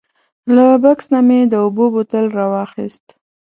له بکس نه مې د اوبو بوتل راواخیست.